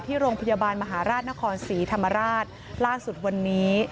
ที่โรงพยาบาลมหาราชนครศรีธรรมราชล่าสุดวันนี้